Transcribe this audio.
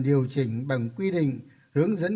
điều chỉnh bằng quy định hướng dẫn